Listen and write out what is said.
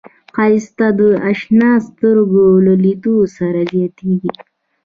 ښایست د اشنا سترګو له لید سره زیاتېږي